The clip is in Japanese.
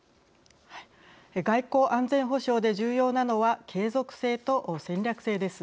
外交・安全保障で重要なのは継続性と戦略性です。